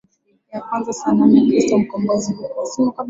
ya kwanza Sanamu ya Kristo mkombozi huko